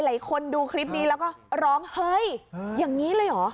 หลายคนดูคลิปนี้แล้วก็ร้องเฮ้ยอย่างนี้เลยเหรอ